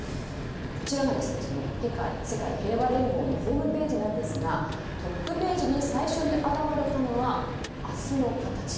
こちらが世界平和連合のホームページなんですがトップページに最初に現れたのは明日のカタチ。